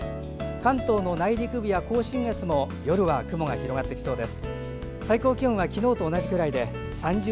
関東の内陸部や甲信越も夜は雲が広がってきそうです。